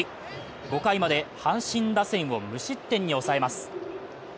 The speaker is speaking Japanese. ５回まで阪神打線を無失点に抑えます。